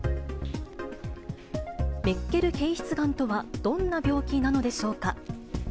メッケル憩室がんとは、どんな病気なのでしょうか。